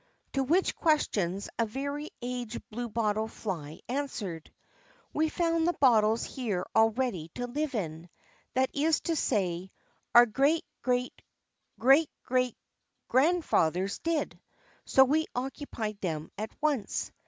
To which questions a very aged bluebottle fly answered: "We found the bottles here all ready to live in; that is to say, our great great great great great grandfathers did, so we occupied them at once.